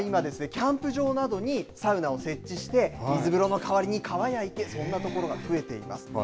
キャンプ場などにサウナを設置して水風呂の代わりに川や池そんな所が増えています。